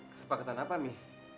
kesepakatan apa mi